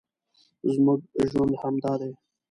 زموږ ژوند همدا دی